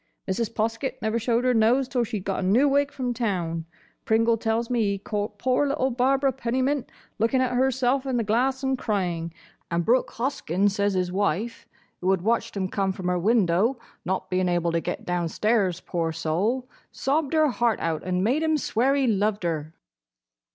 Mrs. Poskett never showed her nose till she 'd got a new wig from town; Pringle tells me he caught poor little Barbara Pennymint looking at herself in the glass and crying; and Brooke Hoskyn says his wife, who had watched 'em come from her window, not being able to get downstairs, poor soul, sobbed her heart out and made him swear he loved her."